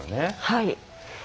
はい。